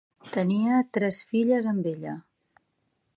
Tenia tres filles amb ella.